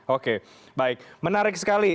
oke baik menarik sekali